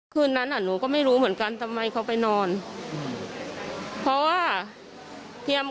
คืนนั้นอ่ะหนูก็ไม่รู้เหมือนกันทำไมเขาไปนอนเพราะว่าเทียม